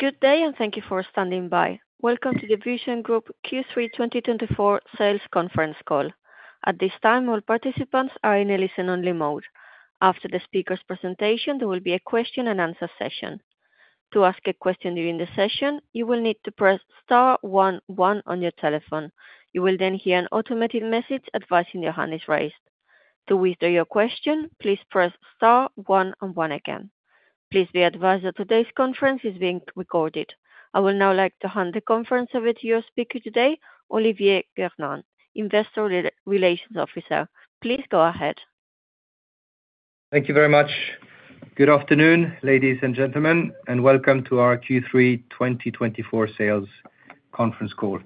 Good day, and thank you for standing by. Welcome to the VusionGroup Q3 2024 sales conference call. At this time, all participants are in a listen-only mode. After the speaker's presentation, there will be a question and answer session. To ask a question during the session, you will need to press star one one on your telephone. You will then hear an automated message advising your hand is raised. To withdraw your question, please press star one and one again. Please be advised that today's conference is being recorded. I would now like to hand the conference over to your speaker today, Olivier Gernandt, investor relations officer. Please go ahead. Thank you very much. Good afternoon, ladies and gentlemen, and welcome to our Q3 2024 sales conference call.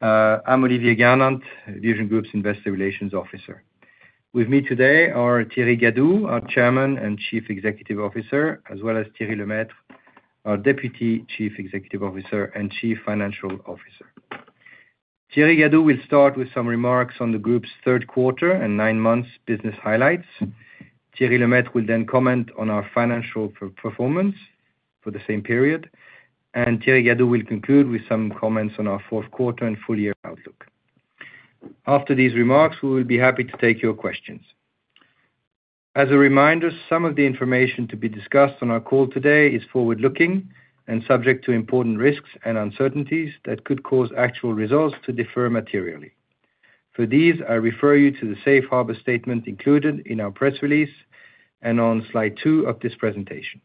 I'm Olivier Gernandt, VusionGroup's Investor Relations Officer. With me today are Thierry Gadou, our Chairman and Chief Executive Officer, as well as Thierry Lemaître, our Deputy Chief Executive Officer and Chief Financial Officer. Thierry Gadou will start with some remarks on the group's third quarter and nine months business highlights. Thierry Lemaître will then comment on our financial performance for the same period, and Thierry Gadou will conclude with some comments on our fourth quarter and full year outlook. After these remarks, we will be happy to take your questions. As a reminder, some of the information to be discussed on our call today is forward-looking and subject to important risks and uncertainties that could cause actual results to differ materially. For these, I refer you to the Safe Harbor Statement included in our press release and on slide two of this presentation.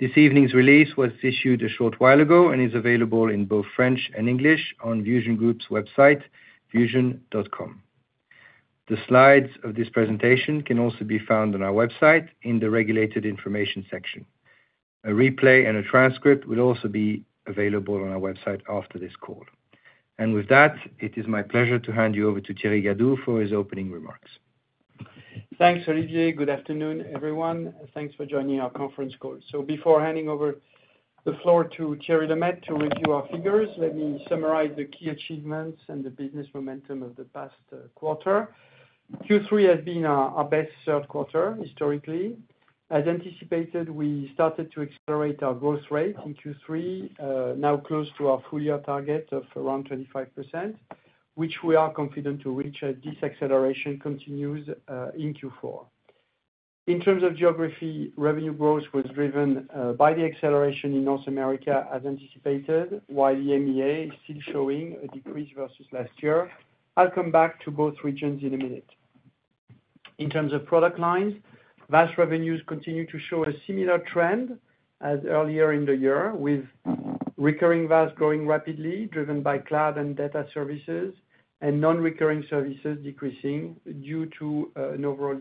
This evening's release was issued a short while ago and is available in both French and English on VusionGroup's website, vusion-group.com. The slides of this presentation can also be found on our website in the Regulated Information section. A replay and a transcript will also be available on our website after this call. And with that, it is my pleasure to hand you over to Thierry Gadou for his opening remarks. Thanks, Olivier. Good afternoon, everyone, and thanks for joining our conference call. So before handing over the floor to Thierry Lemaître to review our figures, let me summarize the key achievements and the business momentum of the past quarter. Q3 has been our best third quarter historically. As anticipated, we started to accelerate our growth rate in Q3, now close to our full year target of around 25%, which we are confident to reach as this acceleration continues in Q4. In terms of geography, revenue growth was driven by the acceleration in North America as anticipated, while the EMEA is still showing a decrease versus last year. I'll come back to both regions in a minute. In terms of product lines, VAS revenues continue to show a similar trend as earlier in the year, with recurring VAS growing rapidly, driven by cloud and data services, and non-recurring services decreasing due to an overall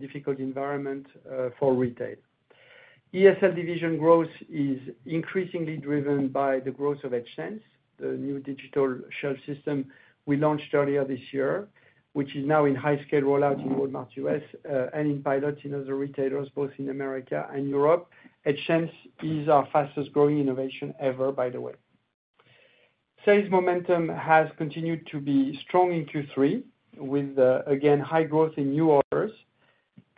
difficult environment for retail. ESL division growth is increasingly driven by the growth of EdgeSense, the new digital shelf system we launched earlier this year, which is now in high scale rollout in Walmart U.S. and in pilots in other retailers, both in America and Europe. EdgeSense is our fastest growing innovation ever, by the way. Sales momentum has continued to be strong in Q3 with again high growth in new orders.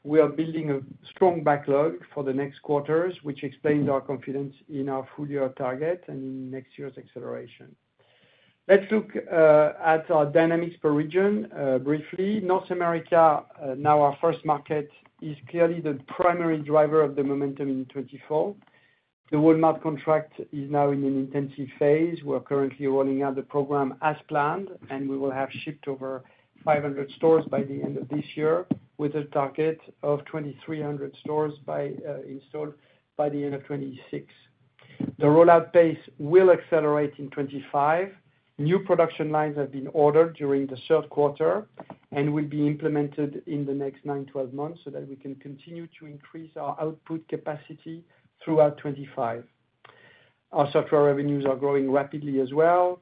We are building a strong backlog for the next quarters, which explains our confidence in our full year target and in next year's acceleration. Let's look at our dynamics per region. Briefly, North America, now our first market, is clearly the primary driver of the momentum in 2024. The Walmart contract is now in an intensive phase. We're currently rolling out the program as planned, and we will have shipped over 500 stores by the end of this year, with a target of 2,300 stores installed by the end of 2026. The rollout pace will accelerate in 2025. New production lines have been ordered during the third quarter and will be implemented in the next 9-12 months so that we can continue to increase our output capacity throughout 2025. Our software revenues are growing rapidly as well.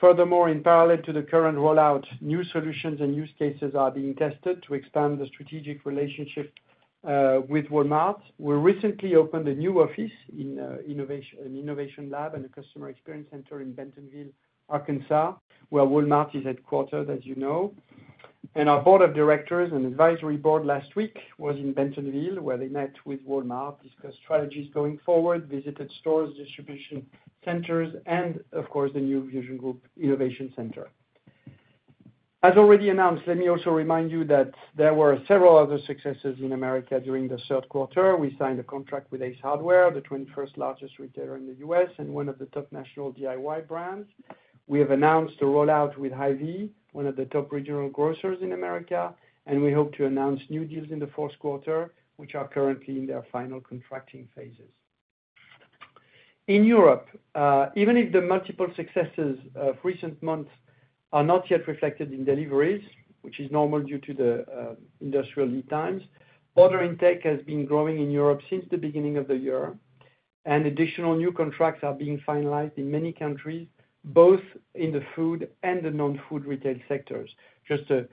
Furthermore, in parallel to the current rollout, new solutions and use cases are being tested to expand the strategic relationship with Walmart. We recently opened a new office in innovation, an innovation lab and a customer experience center in Bentonville, Arkansas, where Walmart is headquartered, as you know. And our board of directors and advisory board last week was in Bentonville, where they met with Walmart, discussed strategies going forward, visited stores, distribution centers, and of course, the new VusionGroup Innovation Center. As already announced, let me also remind you that there were several other successes in America during the third quarter. We signed a contract with Ace Hardware, the 21 largest retailer in the U.S. and one of the top national DIY brands. We have announced a rollout with Hy-Vee, one of the top regional grocers in America, and we hope to announce new deals in the fourth quarter, which are currently in their final contracting phases. In Europe, even if the multiple successes of recent months are not yet reflected in deliveries, which is normal due to the industrial lead times, order intake has been growing in Europe since the beginning of the year, and additional new contracts are being finalized in many countries, both in the food and the non-food retail sectors. Just a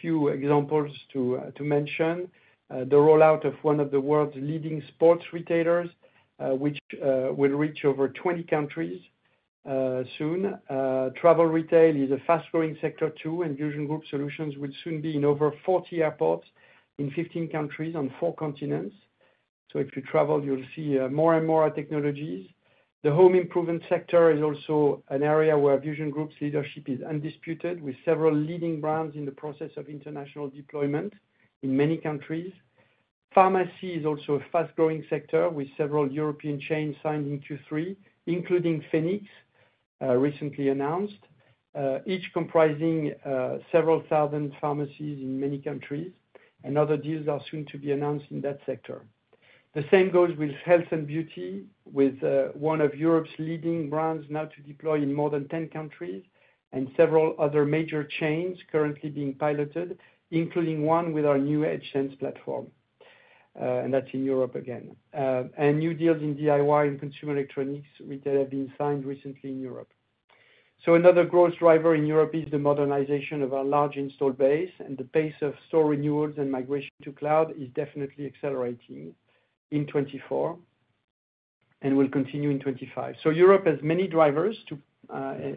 few examples to mention, the rollout of one of the world's leading sports retailers, which will reach over 20 countries soon. Travel retail is a fast growing sector too, and VusionGroup solutions will soon be in over 40 airports in 15 countries on 4 continents. So if you travel, you'll see more and more technologies. The home improvement sector is also an area where VusionGroup's leadership is undisputed, with several leading brands in the process of international deployment in many countries. Pharmacy is also a fast-growing sector, with several European chains signing Q3, including Phoenix recently announced, each comprising several thousand pharmacies in many countries, and other deals are soon to be announced in that sector. The same goes with health and beauty, with one of Europe's leading brands now to deploy in more than 10 countries and several other major chains currently being piloted, including one with our new EdgeSense platform, and that's in Europe again, and new deals in DIY and consumer electronics, which have been signed recently in Europe. So another growth driver in Europe is the modernization of our large installed base, and the pace of store renewals and migration to cloud is definitely accelerating in 2024 and will continue in 2025. So Europe has many drivers to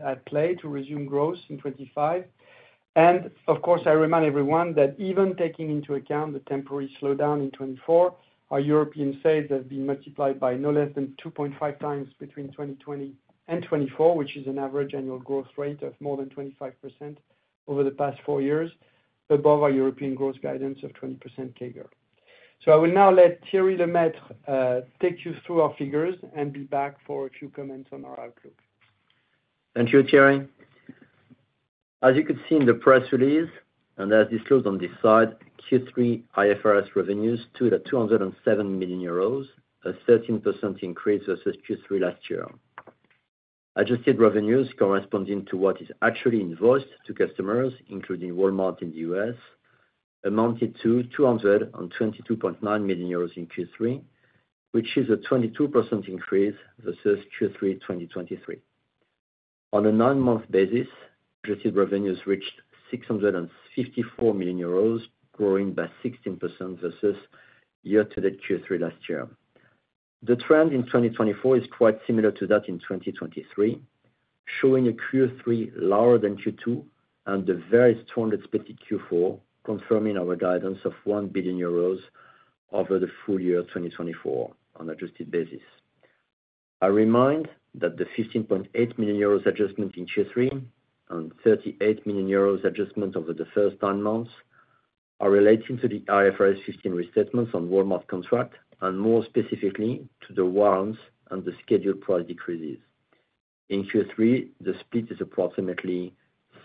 at play to resume growth in 2025. And of course, I remind everyone that even taking into account the temporary slowdown in 2024, our European sales have been multiplied by no less than 2.5x between 2020 and 2024, which is an average annual growth rate of more than 25% over the past four years, above our European growth guidance of 20% CAGR. So I will now let Thierry Lemaître take you through our figures and be back for a few comments on our outlook. Thank you, Thierry. As you could see in the press release, and as disclosed on this slide, Q3 IFRS revenues stood at 207 million euros, a 13% increase versus Q3 last year. Adjusted revenues corresponding to what is actually invoiced to customers, including Walmart in the U.S., amounted to 222.9 million euros in Q3, which is a 22% increase versus Q3 2023. On a nine-month basis, adjusted revenues reached 654 million euros, growing by 16% versus year-to-date Q3 last year. The trend in 2024 is quite similar to that in 2023, showing a Q3 lower than Q2 and a very strong expected Q4, confirming our guidance of 1 billion euros over the full year 2024 on adjusted basis. I remind that the 15.8 million euros adjustment in Q3 and 38 million euros adjustment over the first nine months are relating to the IFRS 15 restatements on Walmart contract and more specifically to the warrants and the scheduled price decreases. In Q3, the split is approximately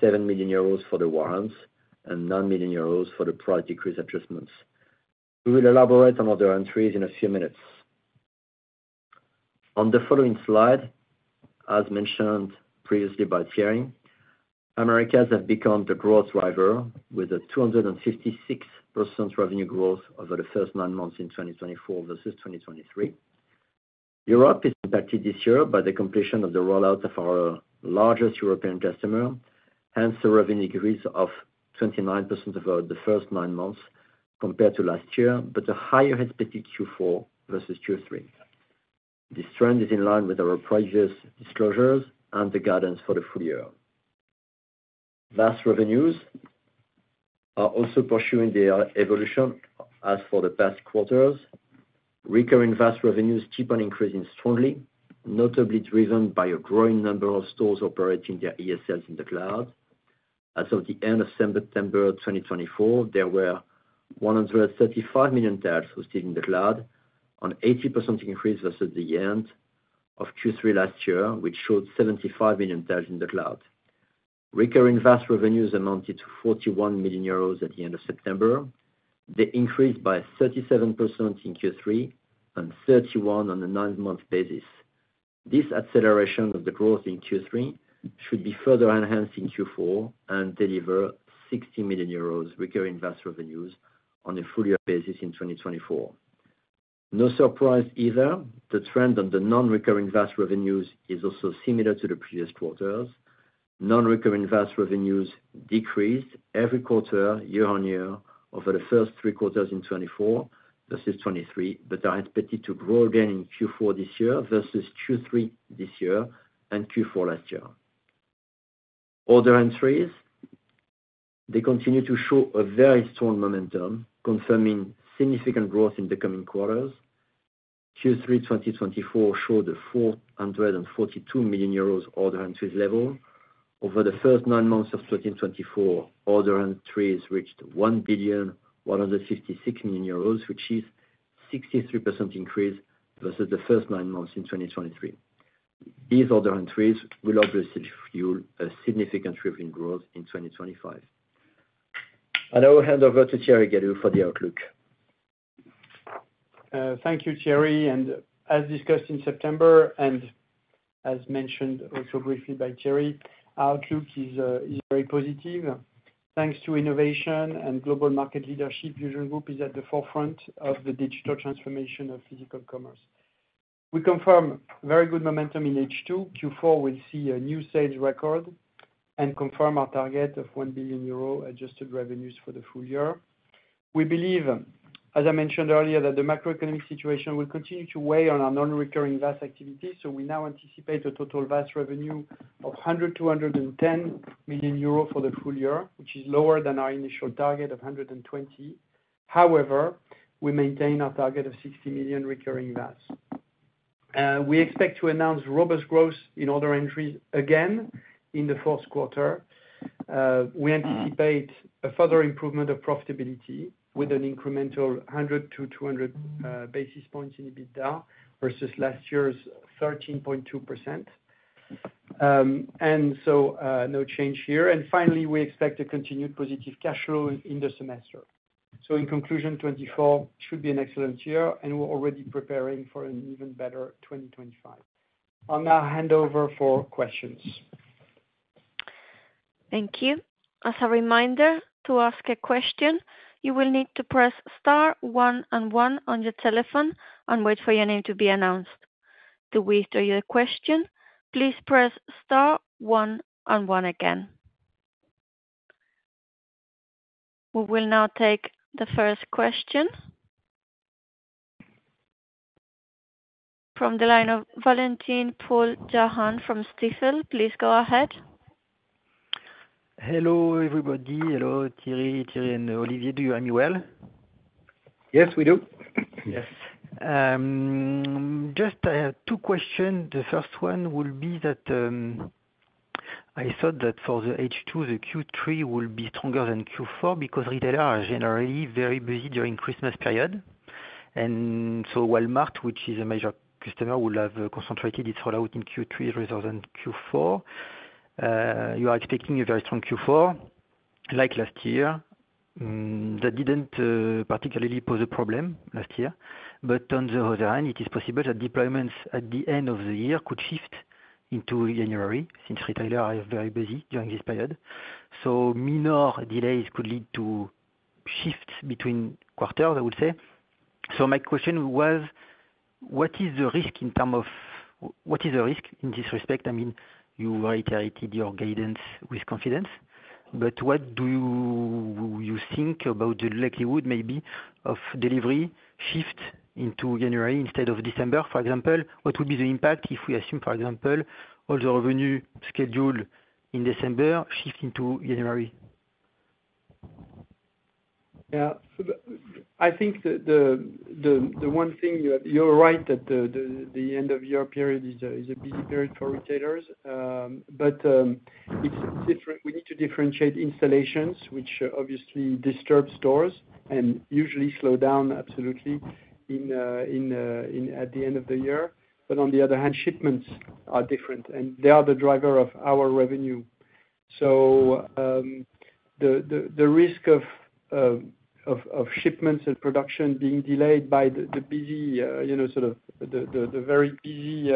7 million euros for the warrants and 9 million euros for the price decrease adjustments. We will elaborate on other entries in a few minutes. On the following slide, as mentioned previously by Thierry, Americas have become the growth driver with a 256% revenue growth over the first nine months in 2024 versus 2023. Europe is impacted this year by the completion of the rollout of our largest European customer, hence the revenue growth of 29% over the first nine months compared to last year, but a higher expected Q4 versus Q3. This trend is in line with our previous disclosures and the guidance for the full year. VAS revenues are also pursuing their evolution as for the past quarters. Recurring VAS revenues keep on increasing strongly, notably driven by a growing number of stores operating their ESLs in the cloud. As of the end of September 2024, there were 135 million tags hosted in the cloud, an 80% increase versus the end of Q3 last year, which showed 75 million tags in the cloud. Recurring VAS revenues amounted to 41 million euros at the end of September. They increased by 37% in Q3 and 31% on a nine-month basis. This acceleration of the growth in Q3 should be further enhanced in Q4 and deliver 60 million euros recurring VAS revenues on a full year basis in 2024. No surprise either, the trend on the non-recurring VAS revenues is also similar to the previous quarters. Non-recurring VAS revenues decreased every quarter, year-on-year, over the first three quarters in 2024 versus 2023, but are expected to grow again in Q4 this year versus Q3 this year and Q4 last year. Order entries, they continue to show a very strong momentum, confirming significant growth in the coming quarters. Q3 2024 showed a 442 million euros order entries level. Over the first nine months of 2024, order entries reached 1,156 million euros, which is 63% increase versus the first nine months in 2023. These order entries will obviously fuel a significant revenue growth in 2025. And I will hand over to Thierry Gadou for the outlook. Thank you, Thierry. And as discussed in September and as mentioned also briefly by Thierry, our outlook is very positive. Thanks to innovation and global market leadership, VusionGroup is at the forefront of the digital transformation of physical commerce. We confirm very good momentum in H2. Q4 will see a new sales record and confirm our target of 1 billion euro adjusted revenues for the full year. We believe, as I mentioned earlier, that the macroeconomic situation will continue to weigh on our non-recurring VAS activity, so we now anticipate a total VAS revenue of 100-110 million euro for the full year, which is lower than our initial target of 120 million. However, we maintain our target of 60 million recurring VAS. We expect to announce robust growth in order entries again in the fourth quarter. We anticipate a further improvement of profitability with an incremental 100-200 basis points in EBITDA versus last year's 13.2%. And so, no change here. And finally, we expect a continued positive cash flow in the semester. So in conclusion, 2024 should be an excellent year, and we're already preparing for an even better 2025. I'll now hand over for questions. Thank you. As a reminder, to ask a question, you will need to press star one and one on your telephone and wait for your name to be announced. To withdraw your question, please press star one and one again. We will now take the first question. From the line of Valentin Paul-Jahan from Stifel. Please go ahead. Hello, everybody. Hello, Thierry, Thierry and Olivier. Do you hear me well? Yes, we do. Yes. Just two questions. The first one would be that I thought that for the H2, the Q3 will be stronger than Q4 because retailers are generally very busy during the Christmas period. And so while Walmart, which is a major customer, will have concentrated its rollout in Q3 rather than Q4, you are expecting a very strong Q4, like last year. That didn't particularly pose a problem last year. But on the other hand, it is possible that deployments at the end of the year could shift into January, since retailers are very busy during this period. So minor delays could lead to shifts between quarters, I would say. So my question was: What is the risk in this respect? I mean, you reiterated your guidance with confidence, but what do you think about the likelihood maybe of delivery shift into January instead of December, for example? What would be the impact if we assume, for example, all the revenue scheduled in December, shift into January? Yeah. So the one thing you have, you're right, that the end of year period is a busy period for retailers. But it's different. We need to differentiate installations, which obviously disturb stores and usually slow down absolutely in at the end of the year. But on the other hand, shipments are different, and they are the driver of our revenue. So the risk of shipments and production being delayed by the busy, you know, sort of the very busy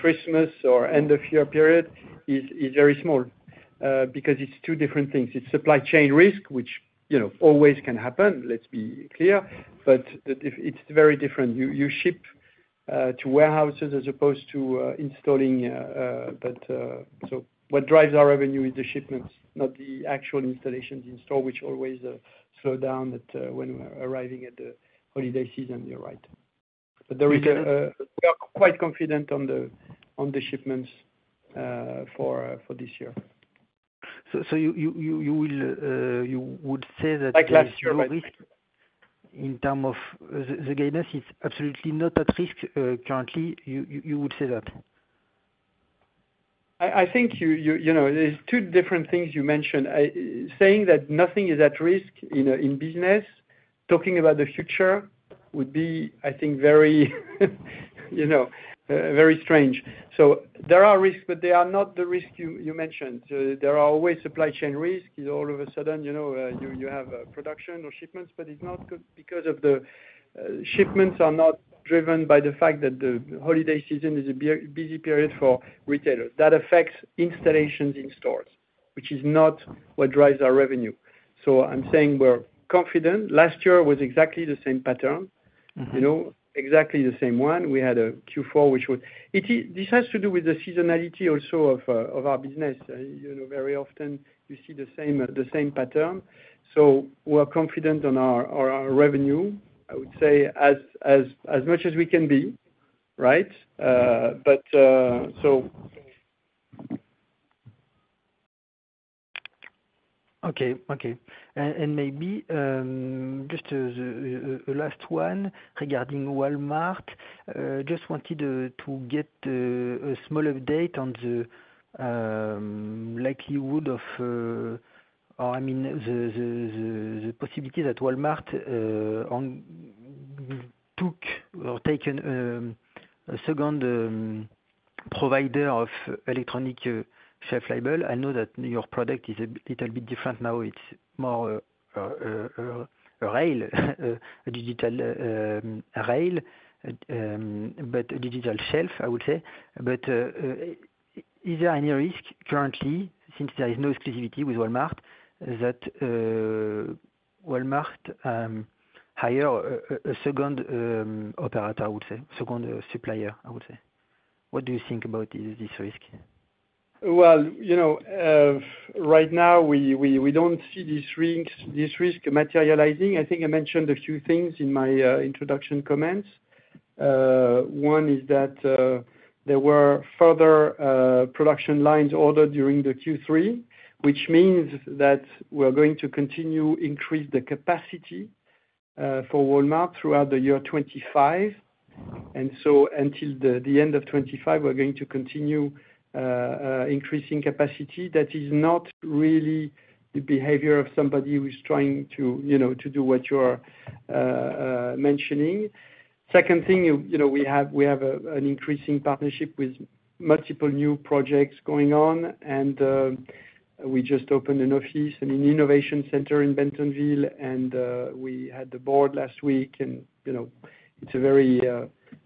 Christmas or end of year period is very small because it's two different things. It's supply chain risk, which, you know, always can happen, let's be clear, but it's very different. You ship to warehouses as opposed to installing. But so what drives our revenue is the shipments, not the actual installations in store, which always slow down when we're arriving at the holiday season. You're right. But we are quite confident on the shipments for this year. So you would say that- Like last year.... there's no risk in terms of the guidance is absolutely not at risk, currently, you would say that? I think you know, there's two different things you mentioned. Saying that nothing is at risk in business, talking about the future would be, I think, very, you know, very strange. There are risks, but they are not the risk you mentioned. There are always supply chain risks, you know, all of a sudden, you know, you have production or shipments. But it's not good because of the shipments are not driven by the fact that the holiday season is a busy period for retailers. That affects installations in stores, which is not what drives our revenue. I'm saying we're confident. Last year was exactly the same pattern. Mm-hmm. You know, exactly the same one. We had a Q4. This has to do with the seasonality also of our business. You know, very often you see the same, the same pattern. So we're confident on our revenue, I would say, as much as we can be, right? But, so- Okay, okay. And maybe just the last one regarding Walmart. Just wanted to get a small update on the likelihood of, or I mean, the possibility that Walmart took or taken a second provider of electronic shelf label. I know that your product is a little bit different now, it's more a rail, a digital rail, but a digital shelf, I would say. But is there any risk currently, since there is no exclusivity with Walmart, that Walmart hire a second operator, I would say, second supplier, I would say? What do you think about this risk? ... Well, you know, right now, we don't see this risks, this risk materializing. I think I mentioned a few things in my introduction comments. One is that there were further production lines ordered during the Q3, which means that we're going to continue increase the capacity for Walmart throughout the year 2025. And so until the end of 2025, we're going to continue increasing capacity. That is not really the behavior of somebody who is trying to, you know, to do what you are mentioning. Second thing, you know, we have an increasing partnership with multiple new projects going on, and we just opened an office and an innovation center in Bentonville, and we had the board last week and, you know, it's a very,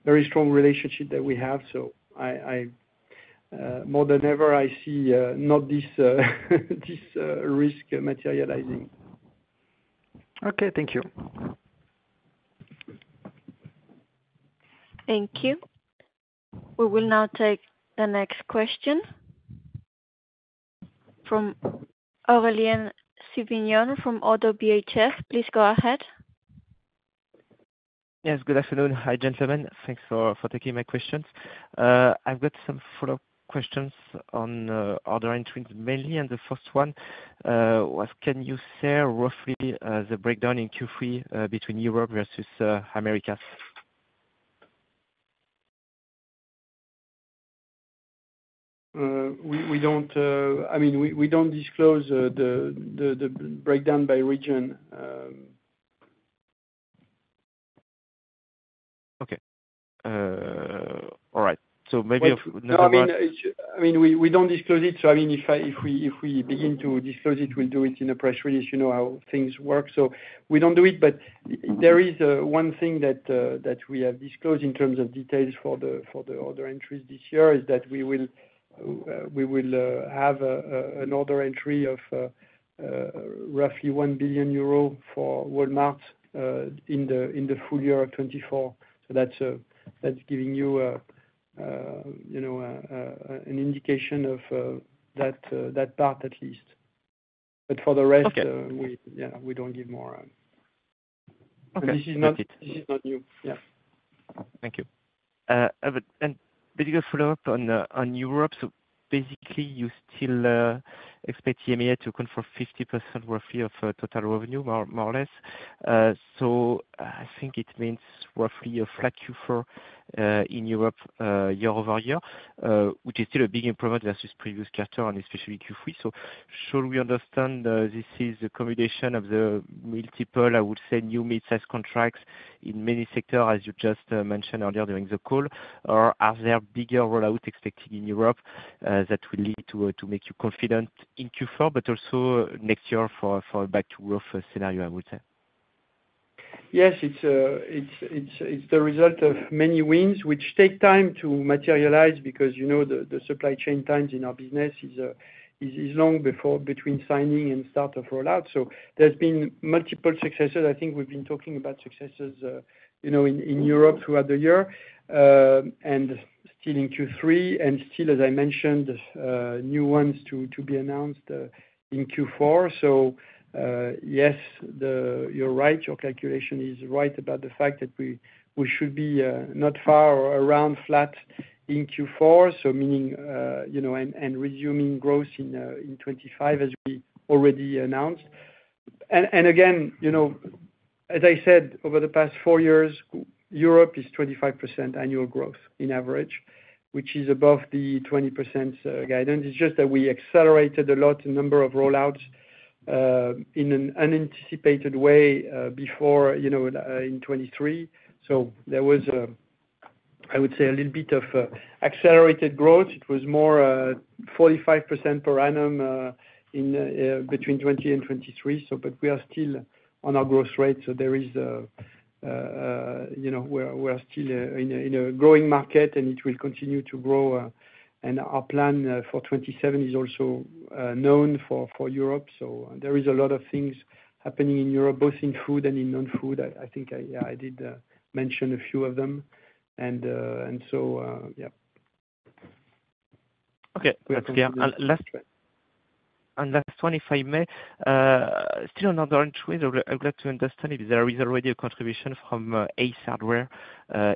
very strong relationship that we have. So I more than ever, I see not this risk materializing. Okay, thank you. Thank you. We will now take the next question from Aurélien Sévignon from Oddo BHF. Please go ahead. Yes, good afternoon. Hi, gentlemen. Thanks for taking my questions. I've got some follow-up questions on order entries mainly, and the first one was can you share roughly the breakdown in Q3 between Europe versus Americas? We don't, I mean, we don't disclose the breakdown by region. Okay. All right. So maybe of- No, I mean, it's. I mean, we don't disclose it, so I mean, if we begin to disclose it, we'll do it in a press release. You know how things work, so we don't do it. But there is one thing that we have disclosed in terms of details for the order entries this year, is that we will have an order entry of roughly 1 billion euro for Walmart in the full year of 2024. So that's giving you a, you know, an indication of that part at least. But for the rest- Okay. We don't give more. Okay, got it. This is not new. Yeah. Thank you. But then bigger follow-up on, on Europe. So basically, you still expect EMEA to confirm 50% roughly of total revenue, more or less. So I think it means roughly a flat Q4 in Europe year over year, which is still a big improvement versus previous quarter and especially Q3. So should we understand this is a combination of the multiple, I would say, new midsize contracts in many sector, as you just mentioned earlier during the call? Or are there bigger rollout expected in Europe that will lead to make you confident in Q4, but also next year for back to growth scenario, I would say? Yes, it's the result of many wins, which take time to materialize, because, you know, the supply chain times in our business is long before between signing and start of rollout. So there's been multiple successes. I think we've been talking about successes, you know, in Europe throughout the year, and still in Q3. And still, as I mentioned, new ones to be announced in Q4. So yes, the... You're right. Your calculation is right about the fact that we should be not far or around flat in Q4, so meaning, you know, and resuming growth in 25, as we already announced. Again, you know, as I said, over the past four years, Europe is 25% annual growth in average, which is above the 20% guidance. It's just that we accelerated a lot, the number of rollouts, in an unanticipated way, before, you know, in 2023. So there was, I would say, a little bit of, accelerated growth. It was more, 45% per annum, in, between 2020 and 2023. So, but we are still on our growth rate, so there is a, you know, we're still, in a growing market, and it will continue to grow. And our plan, for 2027 is also, known for, for Europe. So there is a lot of things happening in Europe, both in food and in non-food. I think, yeah, I did mention a few of them. And so, yeah. Okay, that's clear. And last one, if I may. Still on order entries, I'd like to understand if there is already a contribution from Ace Hardware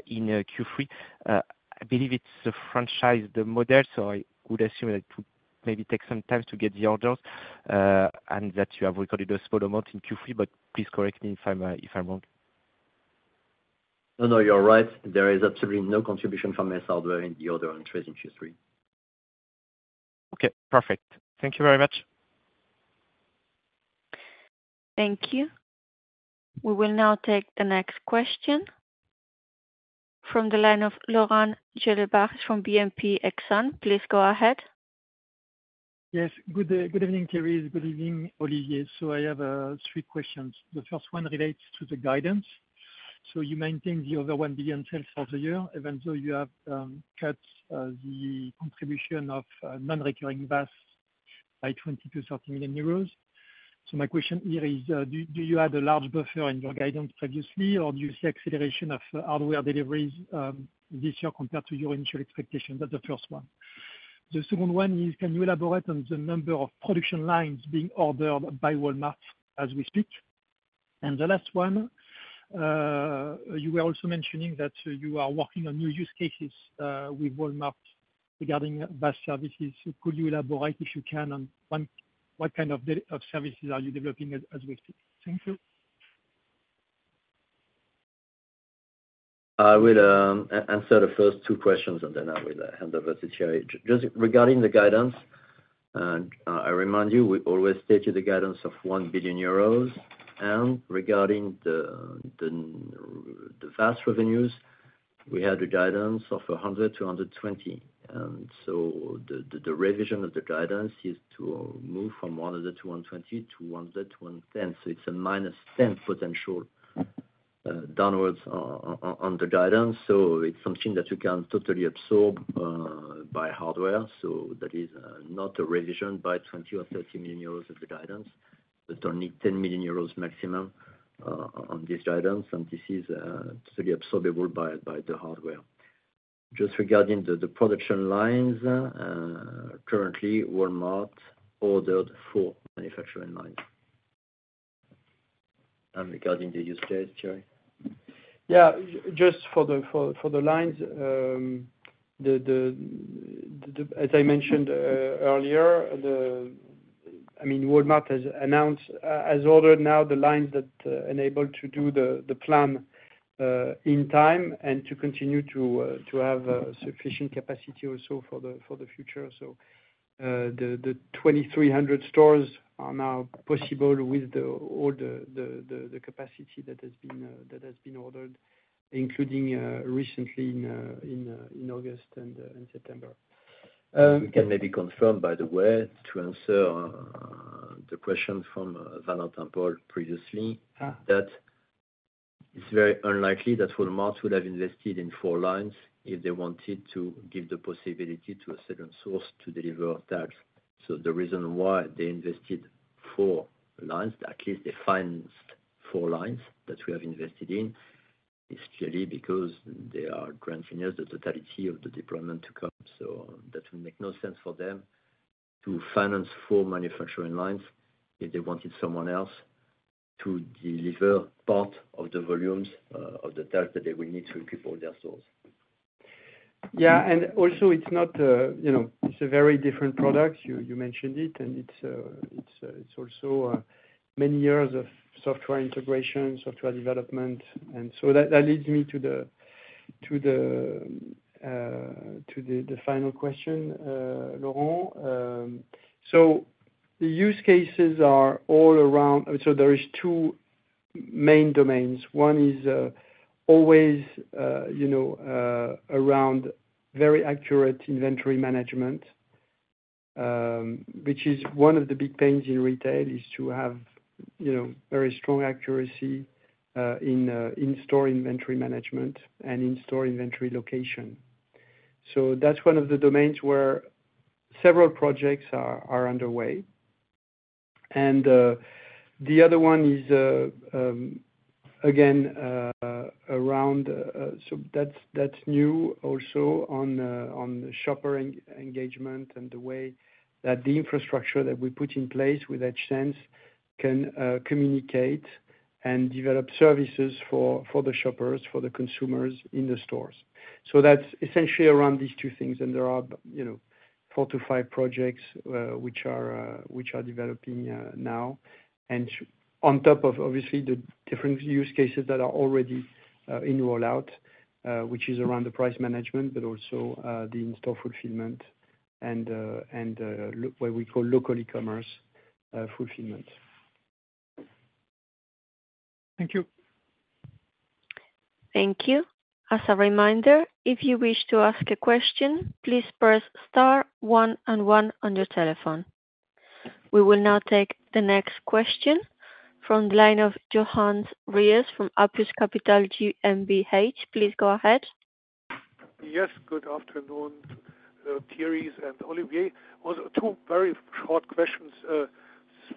in Q3. I believe it's the franchise model, so I would assume it would maybe take some time to get the orders, and that you have recorded a small amount in Q3, but please correct me if I'm wrong. No, no, you're right. There is absolutely no contribution from Ace Hardware in the order entries in Q3. Okay, perfect. Thank you very much. Thank you. We will now take the next question from the line of Laurent Gélébart from BNP Paribas Exane. Please go ahead. Yes, good day. Good evening, Thierry. Good evening, Olivier. So I have three questions. The first one relates to the guidance. So you maintain the over one billion sales for the year, even though you have cut the contribution of non-recurring VAS by 20-30 million euros. So my question here is, do you have a large buffer in your guidance previously, or do you see acceleration of hardware deliveries this year compared to your initial expectations? That's the first one. The second one is, can you elaborate on the number of production lines being ordered by Walmart as we speak? And the last one, you were also mentioning that you are working on new use cases with Walmart regarding VAS services. Could you elaborate, if you can, on what kind of services are you developing as we speak? Thank you. I will answer the first two questions, and then I will hand over to Thierry. Just regarding the guidance, I remind you, we always stated the guidance of 1 billion euros, and regarding the VAS revenues, we had a guidance of 100-120, and so the revision of the guidance is to move from 100-120 to 100-110, so it's a -10 potential downwards on the guidance, so it's something that you can totally absorb by hardware, so that is not a revision by 20 or 30 million euros of the guidance. That's only 10 million euros maximum on this guidance, and this is to be absorbable by the hardware. Just regarding the production lines, currently, Walmart ordered four manufacturing lines. And regarding the use case, Thierry? Yeah. Just for the lines. As I mentioned earlier, I mean, Walmart has announced has ordered now the lines that enable to do the plan in time and to continue to have sufficient capacity also for the future. So, the 2,300 stores are now possible with all the capacity that has been ordered, including recently in August and in September. We can maybe confirm, by the way, to answer the question from Valentin Paul-Jahan previously. Ah. That it's very unlikely that Walmart would have invested in four lines if they wanted to give the possibility to a second source to deliver that. So the reason why they invested four lines, at least they financed four lines that we have invested in, is clearly because they are granting us the totality of the deployment to come. So that will make no sense for them to finance four manufacturing lines if they wanted someone else to deliver part of the volumes of the type that they will need to equip all their stores. Yeah, and also it's not, you know, it's a very different product. You mentioned it, and it's also many years of software integration, software development. And so that leads me to the final question, Laurent. So the use cases are all around... So there are two main domains. One is always, you know, around very accurate inventory management, which is one of the big pains in retail: to have, you know, very strong accuracy in in-store inventory management and in-store inventory location. So that's one of the domains where several projects are underway. The other one is again around, so that's new also on the shopper engagement and the way that the infrastructure that we put in place with EdgeSense can communicate and develop services for the shoppers, for the consumers in the stores. So that's essentially around these two things, and there are, you know, four to five projects which are developing now. On top of obviously the different use cases that are already in rollout, which is around the price management, but also the in-store fulfillment and what we call local e-commerce fulfillment. Thank you. Thank you. As a reminder, if you wish to ask a question, please press star one and one on your telephone. We will now take the next question from the line of Johannes Ries from Apus Capital GmbH. Please go ahead. Yes, good afternoon, Thierry and Olivier. Also, two very short questions.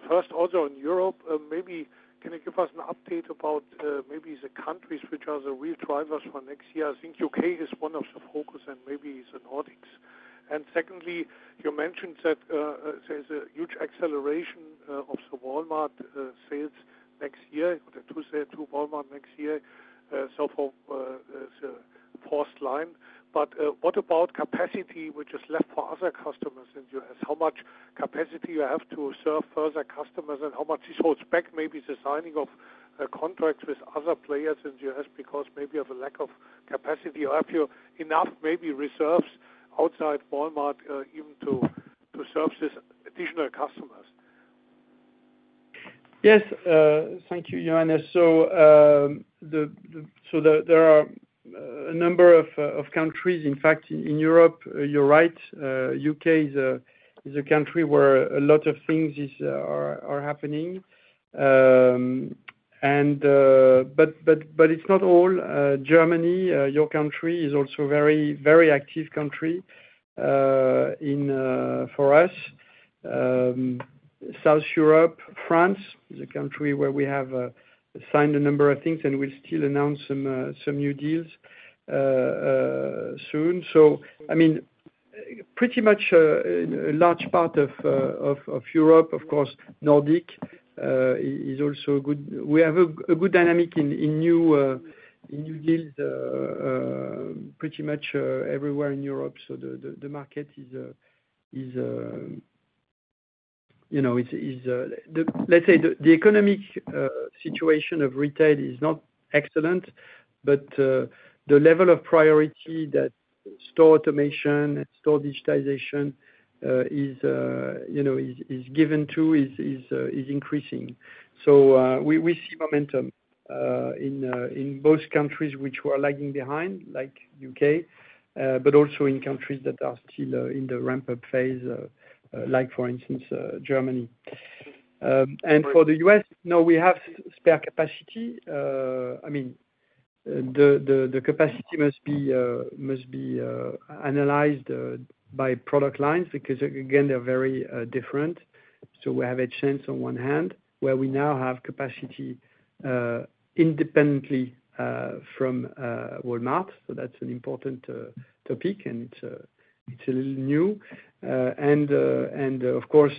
First, also on Europe, maybe can you give us an update about, maybe the countries which are the real drivers for next year? I think U.K. is one of the focus and maybe the Nordics. And secondly, you mentioned that, there's a huge acceleration, of the Walmart, sales next year, the 2025 Walmart next year. So for, the forecast line. But, what about capacity which is left for other customers in U.S.? How much capacity you have to serve further customers, and how much this holds back, maybe the signing of, contracts with other players in U.S., because maybe of a lack of capacity? Or have you enough, maybe reserves outside Walmart, even to serve these additional customers? Yes, thank you, Johannes. There are a number of countries. In fact, in Europe, you're right. U.K. is a country where a lot of things are happening. But it's not all. Germany, your country, is also a very active country in for us. South Europe, France is a country where we have signed a number of things, and we'll still announce some new deals soon. I mean, pretty much a large part of Europe, of course. Nordic is also good. We have a good dynamic in new deals, pretty much everywhere in Europe. The market is, you know, it's, let's say the economic situation of retail is not excellent, but the level of priority that store automation and store digitization is, you know, is given to is increasing. We see momentum in both countries which were lagging behind, like U.K., but also in countries that are still in the ramp-up phase, like for instance, Germany. And for the U.S., now we have spare capacity. I mean, the capacity must be analyzed by product lines, because again, they're very different. We have a chance on one hand, where we now have capacity independently from Walmart. So that's an important topic, and it's a little new. And of course,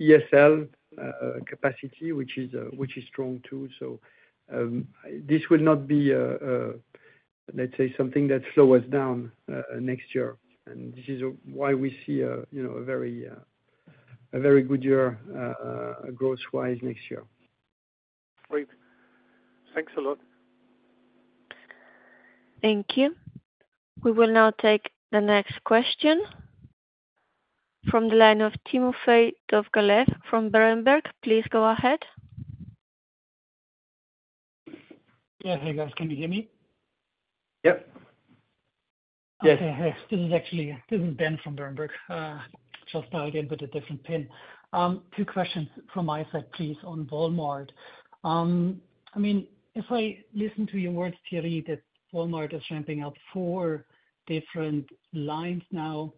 ESL capacity, which is strong too. So this will not be, let's say, something that slow us down next year. And this is why we see, you know, a very good year growth-wise next year. Great. Thanks a lot. Thank you. We will now take the next question from the line of Timofey Dovgalev from Berenberg. Please go ahead. Yeah. Hey, guys, can you hear me? Yep. Yes. This is Ben from Berenberg. Two questions from my side, please, on Walmart. I mean, if I listen to your words, Thierry, that Walmart is ramping up four different lines now,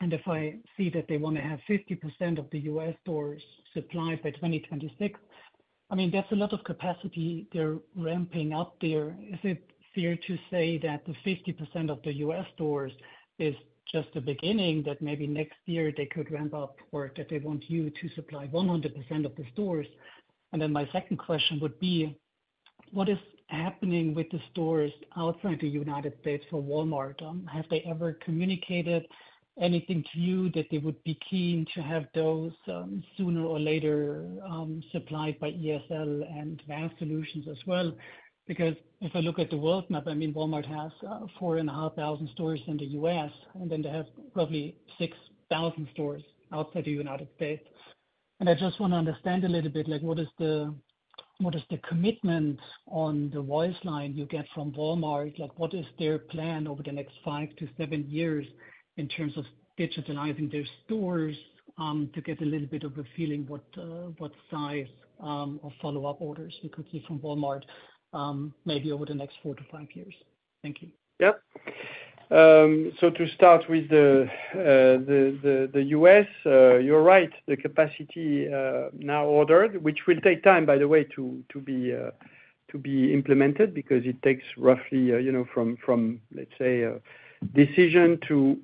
and if I see that they wanna have 50% of the U.S. stores supplied by 2026, I mean, that's a lot of capacity they're ramping up there. Is it fair to say that the 50% of the U.S. stores is just the beginning, that maybe next year they could ramp up, or that they want you to supply 100% of the stores? And then my second question would be, what is happening with the stores outside the United States for Walmart? Have they ever communicated anything to you that they would be keen to have those, sooner or later, supplied by ESL and VAS Solutions as well? Because if I look at the world map, I mean, Walmart has four and a half thousand stores in the U.S., and then they have roughly six thousand stores outside the United States, and I just wanna understand a little bit, like, what is the commitment on the whole line you get from Walmart? Like, what is their plan over the next five to seven years in terms of digitizing their stores, to get a little bit of a feeling what size of follow-up orders you could get from Walmart, maybe over the next four to five years? Thank you. Yep. So to start with the U.S., you're right, the capacity now ordered, which will take time, by the way, to be implemented, because it takes roughly, you know, from, let's say, a decision to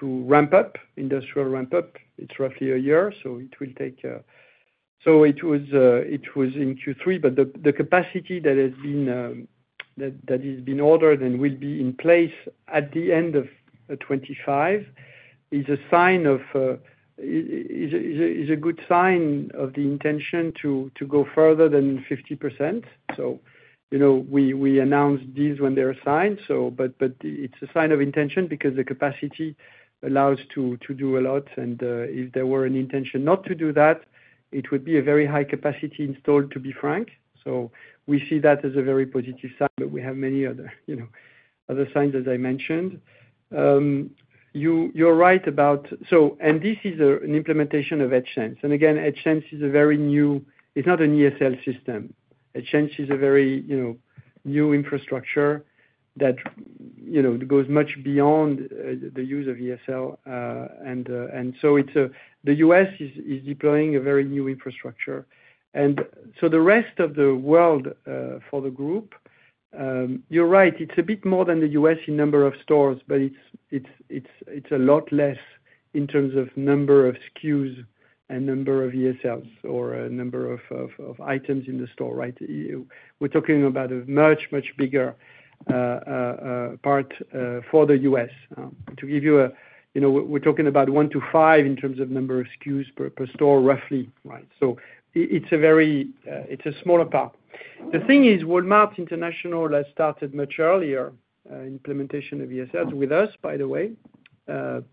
ramp up, industrial ramp up, it's roughly a year, so it will take... So it was in Q3, but the capacity that has been ordered and will be in place at the end of 2025, is a good sign of the intention to go further than 50%. So, you know, we announce these when they're signed, but it's a sign of intention, because the capacity allows to do a lot. If there were an intention not to do that, it would be a very high capacity installed, to be frank. We see that as a very positive sign, but we have many other, you know, other signs, as I mentioned. You're right about... This is an implementation of EdgeSense. Again, EdgeSense is a very new. It's not an ESL system. EdgeSense is a very, you know, new infrastructure that, you know, goes much beyond the use of ESL. And so it's the U.S. is deploying a very new infrastructure. The rest of the world, for the group, you're right, it's a bit more than the U.S. in number of stores, but it's a lot less in terms of number of SKUs and number of ESLs or number of items in the store, right? We're talking about a much bigger part for the U.S. You know, we're talking about one to five in terms of number of SKUs per store, roughly, right? It's a smaller part. The thing is, Walmart International has started much earlier implementation of ESL with us, by the way, or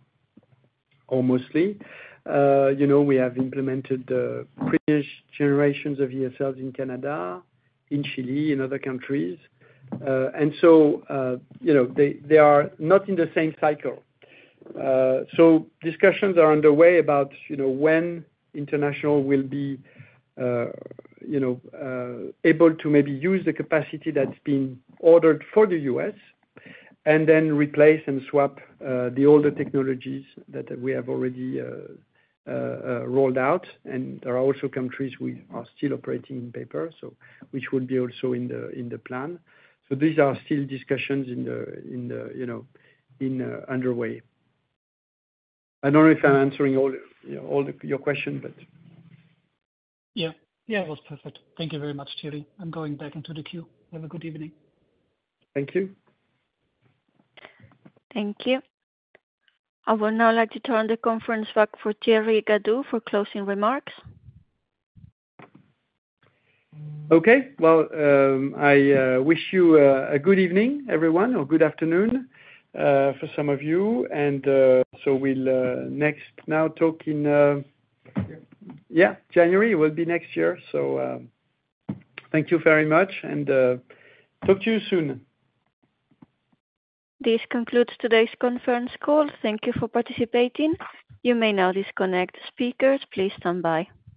mostly. You know, we have implemented the previous generations of ESLs in Canada, in Chile, and other countries. And so, you know, they are not in the same cycle. So discussions are underway about, you know, when international will be, you know, able to maybe use the capacity that's been ordered for the U.S., and then replace and swap the older technologies that we have already rolled out. And there are also countries we are still operating in paper, so which will be also in the plan. So these are still discussions, you know, underway. I don't know if I'm answering all, you know, of your question, but- Yeah. Yeah, it was perfect. Thank you very much, Thierry. I'm going back into the queue. Have a good evening. Thank you. Thank you. I would now like to turn the conference back for Thierry Gadou for closing remarks. Okay. Well, I wish you a good evening, everyone, or good afternoon for some of you. And, so we'll next now talk in- Next year. Yeah, January will be next year, so thank you very much, and talk to you soon. This concludes today's conference call. Thank you for participating. You may now disconnect. Speakers, please stand by.